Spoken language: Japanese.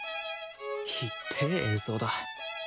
ひっでえ演奏だ。